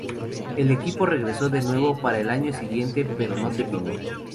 El equipo regresó de nuevo para el año siguiente pero no terminó.